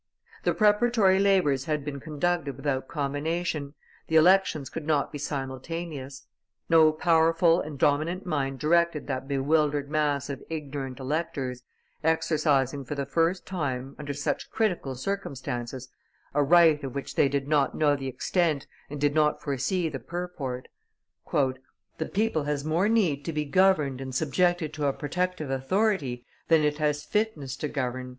The preparatory labors had been conducted without combination, the elections could not be simultaneous; no powerful and dominant mind directed that bewildered mass of ignorant electors, exercising for the first time, under such critical circumstances, a right of which they did not know the extent and did not foresee the purport. "The people has more need to be governed and subjected to a protective authority than it has fitness to govern," M.